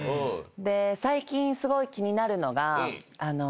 最近すごい気になるのが。